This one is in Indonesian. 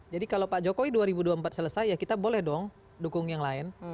jadi kalau pak jokowi dua ribu dua puluh empat selesai ya kita boleh dong dukung yang lain